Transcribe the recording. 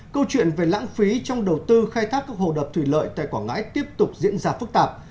câu chuyện về lãng phí trong đầu tư khai thác các hồ đập thủy lợi tại quảng ngãi tiếp tục diễn ra phức tạp